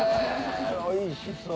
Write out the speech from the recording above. おいしそう！